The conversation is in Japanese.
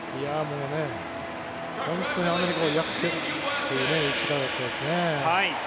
本当にアメリカをやっつけるという一打でしたね。